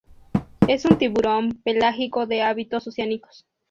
Es un tiburón pelágico de hábitos oceánicos.